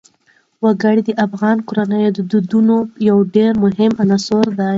وګړي د افغان کورنیو د دودونو یو ډېر مهم عنصر دی.